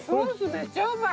めっちゃうまい！